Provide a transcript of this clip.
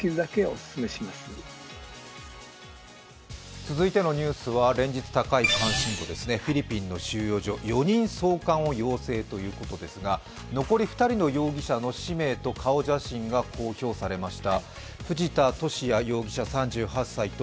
続いてのニュースは連日高い関心度ですねフィリピンの収容所、４人送還を要請ということですが、残り２人の容疑者の氏名と顔写真が公表されました。